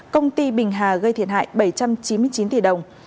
công ty bình hà gây thiệt hại bảy trăm chín mươi chín tỷ đồng